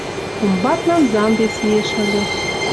Комбатнан зам вес иэш ыльы